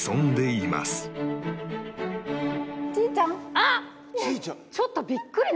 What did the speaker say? あっ！